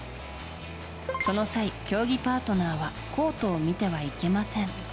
その際、競技パートナーはコートを見てはいけません。